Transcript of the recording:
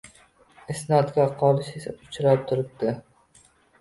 Isnodga qolish esa uchrab turibdi